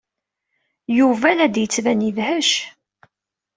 Yuba la d-yettban yedhec.